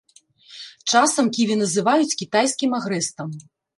Часам ківі называюць кітайскім агрэстам.